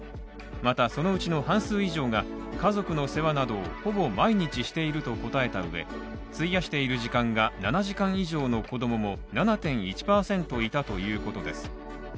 また、そのうちの半数以上が家族の世話などをほぼ毎日していると答えたうえ、費やしている時間が７時間以上の子供も７．１％いたということです。